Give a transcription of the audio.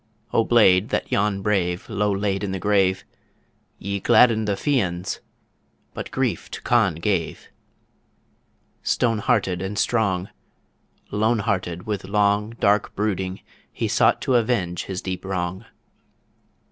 O blade that yon brave Low laid in the grave, Ye gladdened the Fians But grief to Conn gave. Stone hearted and strong, Lone hearted with long, Dark brooding, he sought to Avenge his deep wrong.